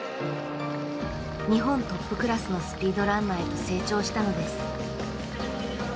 日本トップクラスのスピードランナーへと成長したのです。